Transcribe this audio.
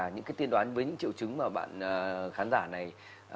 những cái tin đoán với những triệu chứng mà bạn khán giả này